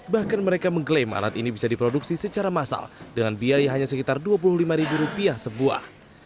bahkan mereka mengklaim alat ini bisa diproduksi secara massal dengan biaya hanya sekitar dua puluh lima ribu rupiah sebuah